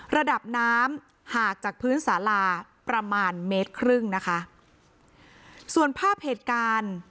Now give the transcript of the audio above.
ระดับน้ำห่างจากพื้นสาราประมาณเมตรครึ่งนะคะส่วนภาพเหตุการณ์